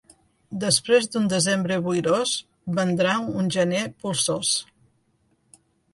Després d'un desembre boirós vendrà un gener polsós.